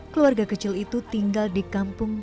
keluarga kecil itu tinggal di kampung